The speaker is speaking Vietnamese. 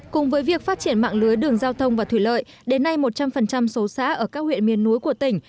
cùng với việc phát triển mạng lưới đường giao thông và thủy lợi đến nay một trăm linh số xã ở các huyện miền núi của tỉnh